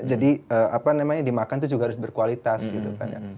jadi apa namanya dimakan itu juga harus berkualitas gitu kan ya